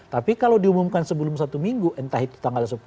tapi kalau diumumkan sebelum satu minggu entah itu tanggal sepuluh